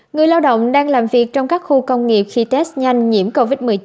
người lao động đang làm việc trong các khu công nghiệp khi test nhanh nhiễm covid một mươi chín